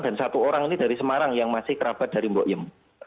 dan satu orang ini dari semarang yang masih terapet dari mbok yem